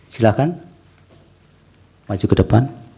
silahkan maju ke depan